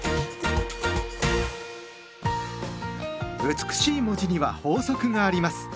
美しい文字には法則があります。